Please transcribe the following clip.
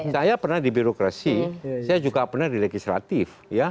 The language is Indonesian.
saya pernah di birokrasi saya juga pernah di legislatif